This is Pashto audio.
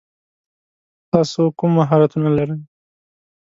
تاسو کوم مهارتونه لری ؟